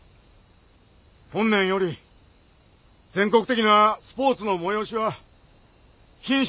本年より全国的なスポーツの催しは禁止じゃそうじゃ。